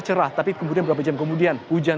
cerah tapi kemudian beberapa jam kemudian hujan